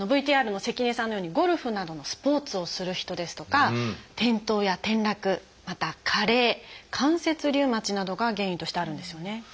ＶＴＲの関根さんのようにゴルフなどのスポーツをする人ですとか転倒や転落また加齢関節リウマチなどが原因としてあるんですよね。